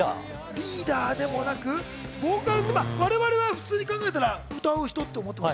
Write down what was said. リーダーではなく、我々は普通に考えたら歌う人って思ってる。